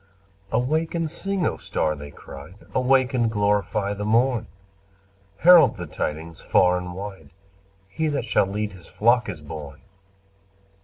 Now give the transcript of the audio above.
"Awake and sing, O star!" they cried. "Awake and glorify the morn! Herald the tidings far and wide He that shall lead His flock is born!"